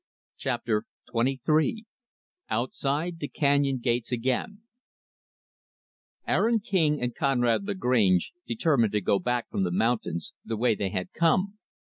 Chapter XXIII Outside the Canyon Gates Again Aaron King and Conrad Lagrange determined to go back from the mountains, the way they had come.